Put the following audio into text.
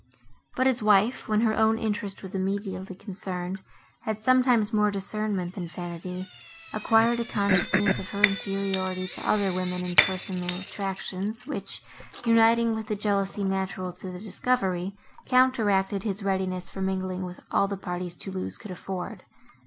But his wife, who, when her own interest was immediately concerned, had sometimes more discernment than vanity, acquired a consciousness of her inferiority to other women, in personal attractions, which, uniting with the jealousy natural to the discovery, counteracted his readiness for mingling with all the parties Thoulouse could afford.